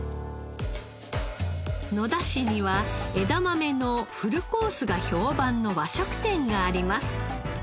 野田市には枝豆のフルコースが評判の和食店があります。